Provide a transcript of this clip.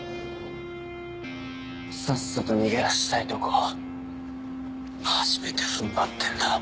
さっさと逃げ出したいとこを初めて踏ん張ってんだ。